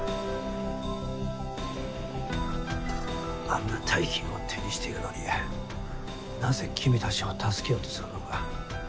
あんな大金を手にしているのになぜ君たちを助けようとするのか